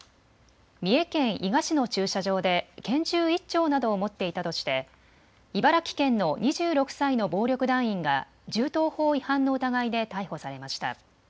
三重県伊賀市の駐車場で拳銃１丁などを持っていたとして茨城県の２６歳の暴力団員が銃刀法違反の疑いで逮捕されました。